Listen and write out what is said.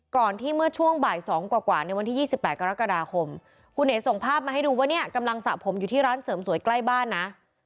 ก่อนที่เมื่อช่วงบ่าย๒กว่าในวันที่๒๘กรกฎาคมคุณเอ๋ส่งภาพมาให้ดูว่าเนี่ยกำลังสระผมอยู่ที่ร้านเสริมสวยใกล้บ้านนะ